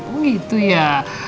oh gitu ya